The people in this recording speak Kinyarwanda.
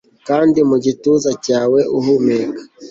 kandi mu gituza cyawe uhumeka